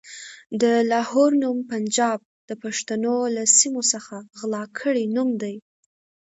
د لاهور نوم پنجاب د پښتنو له سيمو څخه غلا کړی نوم دی.